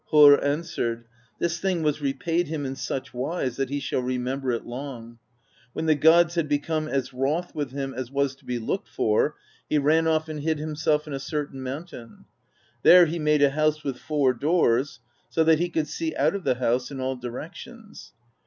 Harr an swered: "This thing was repaid him in such wise that he shall remember it long. When the gods had become as wroth with him as was to be looked for, he ran ofF and hid himself in a certain mountain ; there he made a house with four doors, so that he could see out of the house in all directions.